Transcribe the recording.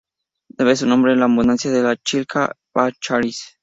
Debe su nombre a la abundancia de la "chilca" "baccharis".